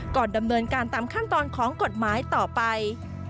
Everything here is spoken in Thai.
ก่อนดำเนินการตามขั้นตอนของกฎหมายต่อไป